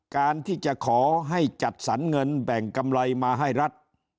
การที่จะขอให้จัดสรรเงินแบ่งกำไรมาให้รัฐ